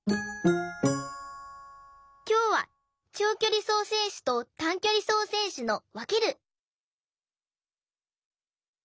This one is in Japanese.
きょうは長距離走選手と短距離走選手のわける！